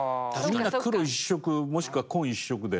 みんな黒一色もしくは紺一色で。